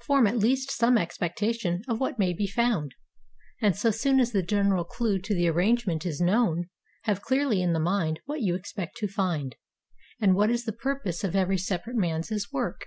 Form at least some expectation of what may be found; and so soon as the general clue to the arrangement is known, have clearly in the mind what you expect to find, and what is the purpose of every separate man's work.